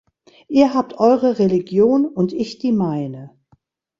Ihr habt eure Religion, und ich die meine.